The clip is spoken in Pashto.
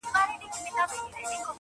رسنۍ د معلوماتو انتقال چټکوي